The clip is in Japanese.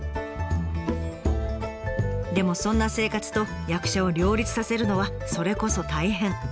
でもそんな生活と役者を両立させるのはそれこそ大変。